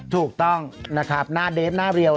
ถูกต้องนะครับหน้าเดฟหน้าเรียว